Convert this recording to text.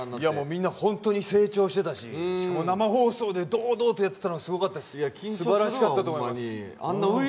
みんな本当に成長してたし、生放送で堂々とやってたのがすばらしかったと思います。